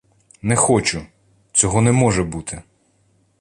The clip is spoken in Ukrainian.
Не хочу! Цього не може бути!